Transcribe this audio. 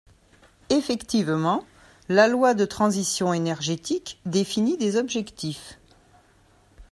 Effectivement, la loi de transition énergétique définit des objectifs.